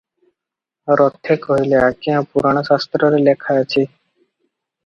ରଥେ କହିଲେ, ଆଜ୍ଞା! ପୁରାଣ ଶାସ୍ତ୍ରରେ ଲେଖାଅଛି -